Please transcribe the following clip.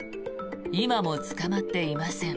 今も捕まっていません。